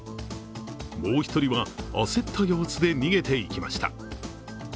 もう１人は焦った様子で逃げていきました。